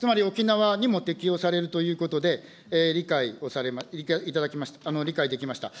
区別はないと、つまり沖縄にも適用されるということで、理解できました。